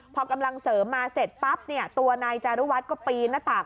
พอกำลังเสริมมาเสร็จปั๊บเนี่ยตัวนายจารุวัฒน์ก็ปีนหน้าต่าง